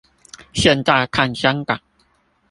現在看香港